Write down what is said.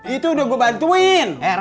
itu udah gua bantuin